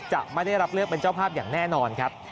จะไม่ได้รับเลือกเป็นเจ้าภาพอย่างแน่นอนครับ